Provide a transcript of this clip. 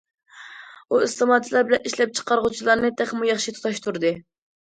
ئۇ، ئىستېمالچىلار بىلەن ئىشلەپچىقارغۇچىلارنى تېخىمۇ ياخشى تۇتاشتۇردى.